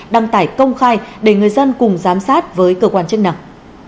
đăng tải công khai để người dân cùng giám sát với cơ quan chức năng